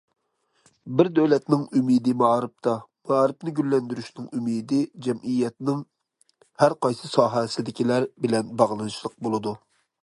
بىر دۆلەتنىڭ ئۈمىدى مائارىپتا، مائارىپنى گۈللەندۈرۈشنىڭ ئۈمىدى جەمئىيەتنىڭ ھەر قايسى ساھەسىدىكىلەر بىلەن باغلىنىشلىق بولىدۇ.